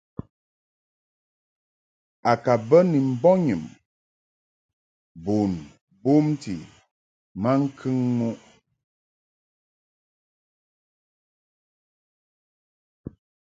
A ka mbə ni mbɔnyum bun bomti maŋkəŋ muʼ.